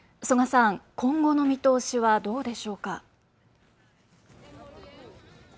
曽我さん、今後の見通しはどうでしょうか。